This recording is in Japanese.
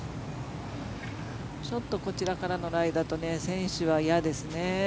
ちょっとこちらからのライだと選手は嫌ですね。